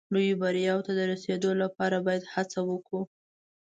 لویو بریاوو ته د رسېدو لپاره باید هڅه وکړو.